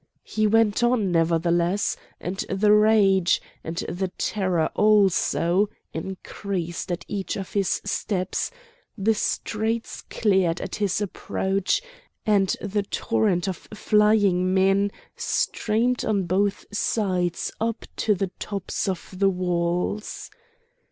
He went on, nevertheless, and the rage, and the terror also, increased at each of his steps; the streets cleared at his approach, and the torrent of flying men streamed on both sides up to the tops of the walls.